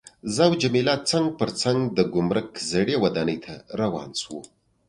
زه او جميله څنګ پر څنګ د ګمرک زړې ودانۍ ته روان شوو.